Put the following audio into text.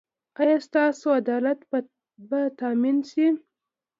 ایا ستاسو عدالت به تامین شي؟